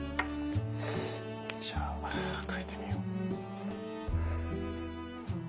じゃあかいてみよう。